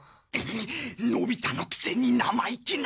のび太のくせに生意気な！